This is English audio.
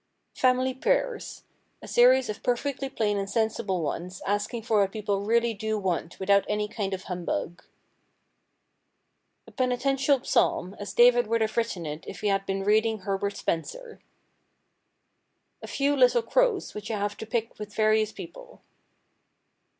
Family Prayers: A series of perfectly plain and sensible ones asking for what people really do want without any kind of humbug. A Penitential Psalm as David would have written it if he had been reading Herbert Spencer. A Few Little Crows which I have to pick with various people.